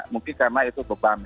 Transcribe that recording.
mungkin karena itu beban